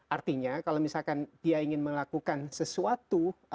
artinya kalau misalkan dia ingin melakukan sesuatu